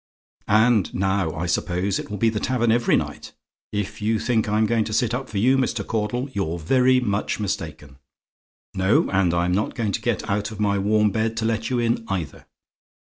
"And now, I suppose, it will be the tavern every night? If you think I'm going to sit up for you, Mr. Caudle, you're very much mistaken. No: and I'm not going to get out of my warm bed to let you in, either.